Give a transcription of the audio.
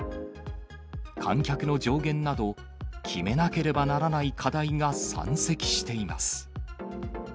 観客の上限など、決めなければならない課題が山積しています。